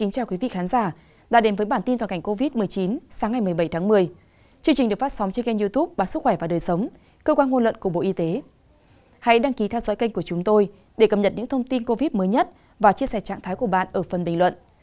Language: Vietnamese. các bạn hãy đăng ký kênh của chúng tôi để cập nhật những thông tin covid mới nhất và chia sẻ trạng thái của bạn ở phần bình luận